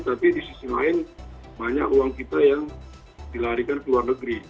tapi di sisi lain banyak uang kita yang dilarikan ke luar negeri